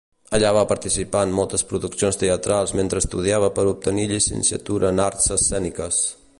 Allà va participar en moltes produccions teatrals mentre estudiava per obtenir llicenciatura en Arts Escèniques.